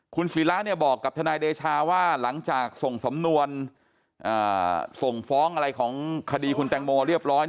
คุณศิราบอกกับทนายเดชาว่าหลังจากส่งสำนวนส่งฟ้องอะไรของคดีคุณแตงโมเรียบร้อย